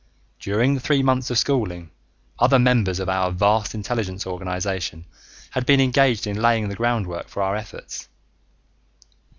During the three months of schooling, other members of our vast intelligence organization had been engaged in laying the groundwork for our efforts.